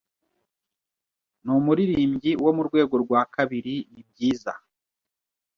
Numuririmbyi wo murwego rwa kabiri nibyiza.